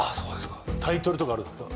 タイトルとかあるんですか？